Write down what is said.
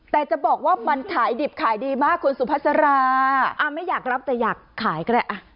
แต่จะบอกว่ามันขายดิบขายดีมากคุณสุภาษาไม่อยากรับแต่อยากขายก็ได้อ่ะ